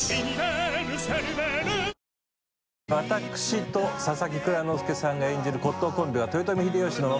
私と佐々木蔵之介さんが演じる骨董コンビは箪┻箸慮犬涼磴